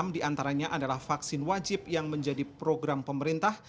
enam diantaranya adalah vaksin wajib yang menjadi program pemerintah